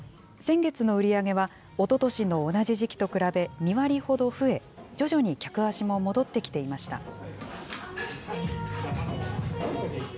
先月の売り上げは、おととしの同じ時期と比べ２割ほど増え、徐々に客足も戻ってきていました。